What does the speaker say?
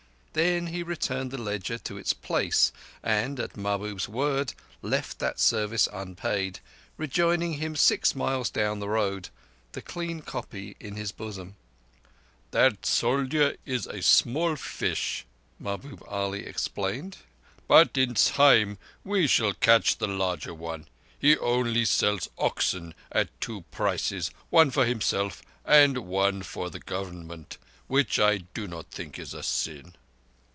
Then he returned the ledger to its place, and, at Mahbub's word, left that service unpaid, rejoining him six miles down the road, the clean copy in his bosom. "That soldier is a small fish," Mahbub Ali explained, "but in time we shall catch the larger one. He only sells oxen at two prices—one for himself and one for the Government—which I do not think is a sin."